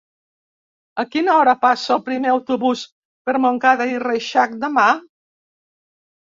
A quina hora passa el primer autobús per Montcada i Reixac demà?